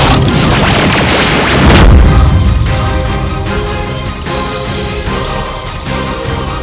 setelah itu treball produksi ada conk system dan